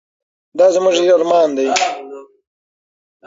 دا زموږ ارمان دی.